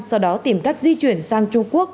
sau đó tìm cách di chuyển sang trung quốc